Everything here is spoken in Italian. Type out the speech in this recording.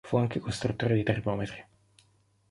Fu anche costruttore di termometri.